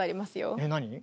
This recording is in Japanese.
えっ何？